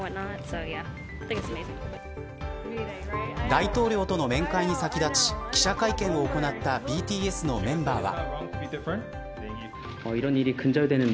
大統領との面会に先立ち記者会見を行ったＢＴＳのメンバーは。